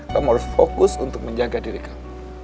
kamu harus fokus untuk menjaga diri kamu